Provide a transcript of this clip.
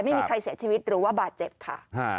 ไม่มีใครเสียชีวิตหรือว่าบาดเจ็บค่ะ